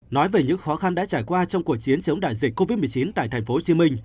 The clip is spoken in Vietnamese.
nói về những khó khăn đã trải qua trong cuộc chiến chống đại dịch covid một mươi chín tại tp hcm